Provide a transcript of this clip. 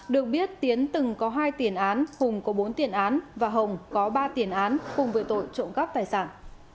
được biết tiến từng có hai tiền án hùng có bốn tiền án và hồng có ba tiền án cùng với tội trộm cắp tài sản